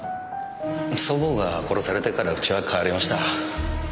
祖母が殺されてからうちは変わりました。